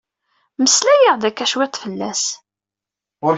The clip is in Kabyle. Mmeslay-aɣ-d akka cwiṭ fell-as?